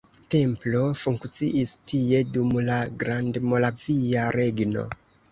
Templo funkciis tie dum la Grandmoravia Regno.